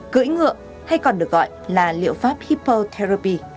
cưỡi ngựa hay còn được gọi là liệu pháp hippotherapy